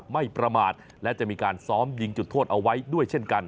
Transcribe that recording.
ไม่ประมาทและจะมีการซ้อมยิงจุดโทษเอาไว้ด้วยเช่นกัน